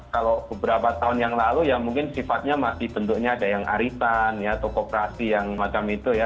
kalau beberapa tahun yang lalu ya mungkin sifatnya masih bentuknya ada yang arisan tokoperasi yang macam itu ya